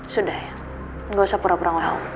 sudah ya gak usah pura pura ngelah